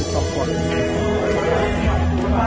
ขอบคุณครับ